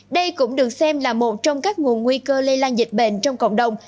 đây cũng được xem là một trong các nguồn nguy cơ lây lan dịch bệnh trong cộng đồng